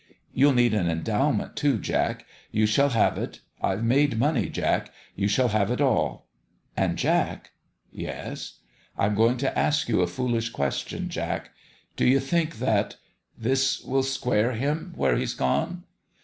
You'll need an endowment, too, Jack. You shall have THE END OF THE GAME 329 it. I've made money, Jack. You shall have it all. And Jack 1 " "Yes?" " I'm going to ask you a foolish question, Jack. Do you think that this will square him where he's gone